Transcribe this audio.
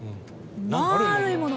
まるいもの。